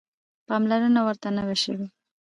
پاملرنه ورته نه وه شوې.